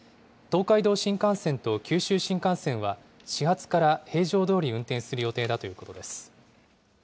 東海道新幹線と九州新幹線は、始発から平常どおり運転する予定だということです。